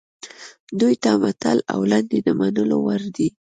دوی ته متل او لنډۍ د منلو وړ دي